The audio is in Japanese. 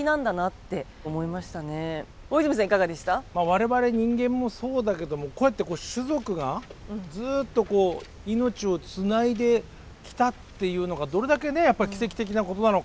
我々人間もそうだけどもこうやってこう種族がずっと命をつないできたっていうのがどれだけねやっぱり奇跡的なことなのかっていう。